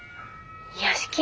屋敷？